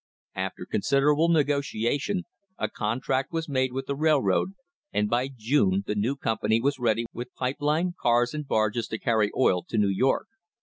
After considerable negotiation a contract was made with the rail road, and by June the new company was ready with pipe line, cars and barges to carry oil to New York.